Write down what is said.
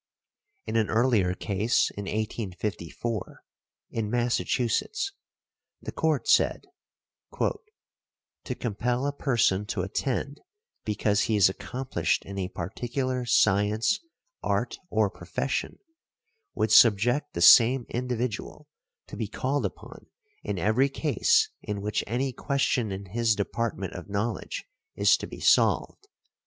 In an earlier case (in 1854), in Massachusetts, the Court said, "to compel a person to attend because he is accomplished in a particular science, art or profession, would subject the same individual to be called upon in every case in which any question in his department of knowledge is to be solved.